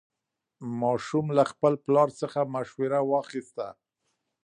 ماشوم له خپل پلار څخه مشوره واخیسته